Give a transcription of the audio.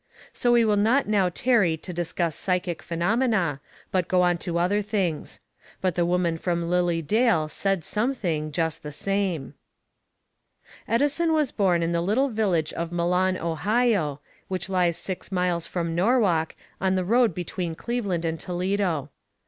So we will not now tarry to discuss psychic phenomena, but go on to other things. But the woman from Lilly Dale said something, just the same. Edison was born at the little village of Milan, Ohio, which lies six miles from Norwalk on the road between Cleveland and Toledo.